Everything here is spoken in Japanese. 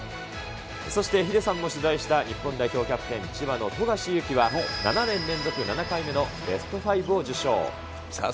そしてヒデさんも取材した日本代表キャプテン、千葉の富樫勇樹は、７年連続７回目のベストファイブを受賞。